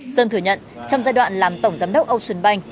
sơn thừa nhận trong giai đoạn làm tổng giám đốc ocean bank